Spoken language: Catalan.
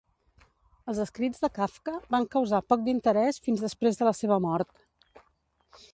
Els escrits de Kafka van causar poc d'interès fins després de la seva mort.